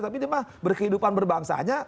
tapi dia mah berkehidupan berbangsanya